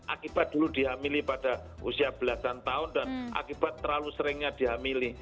akibat dulu dihamili pada usia belasan tahun dan akibat terlalu seringnya dihamili